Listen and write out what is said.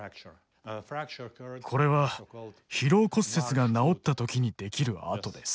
これは疲労骨折が治った時に出来る痕です。